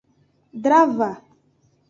Drava.